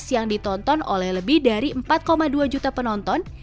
yang ditonton oleh lebih dari empat dua juta penonton